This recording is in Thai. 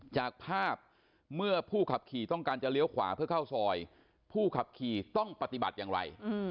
จากภาพเมื่อผู้ขับขี่ต้องการจะเลี้ยวขวาเพื่อเข้าซอยผู้ขับขี่ต้องปฏิบัติอย่างไร